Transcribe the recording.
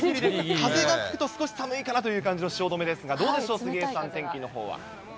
風が吹くと少し寒いかなという感じの汐留ですが、どうでしょう、杉江さん、天気のほうは。